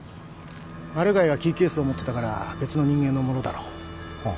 マル害はキーケースを持ってたから別の人間のものだろう